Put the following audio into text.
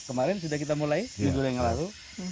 kemarin sudah kita mulai minggu yang lalu